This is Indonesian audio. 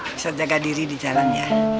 bisa jaga diri di jalan ya